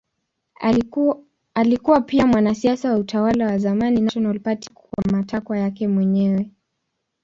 Alikuwa pia mwanasiasa wa utawala wa zamani National Party kwa matakwa yake mwenyewe.